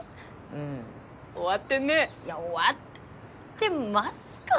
うん終わってんねいや終わってますかね？